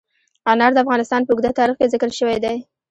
انار د افغانستان په اوږده تاریخ کې ذکر شوی دی.